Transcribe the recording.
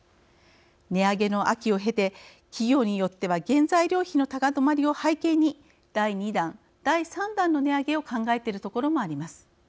値上げの秋を経て企業によっては原材料費の高止まりを背景に第２弾第３弾の値上げを考えてるところもあります。